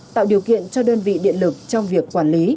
tạo điều kiện cho đơn vị điện lực trong việc quản lý